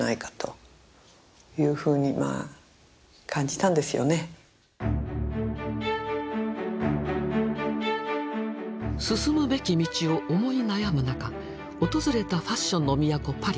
こんなこと自分の多分進むべき道を思い悩む中訪れたファッションの都パリ。